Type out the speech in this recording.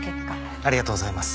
ありがとうございます。